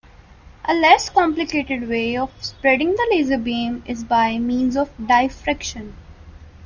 A less complicated way of spreading the laser beam is by means of diffraction.